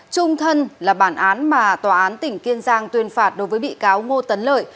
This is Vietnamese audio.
trung thân là bản án mà tòa án tỉnh kiên giang tuyên phạt đối với bị cáo ngô tấn lợi